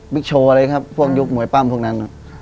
โชว์อะไรครับพวกยุคมวยปั้มพวกนั้น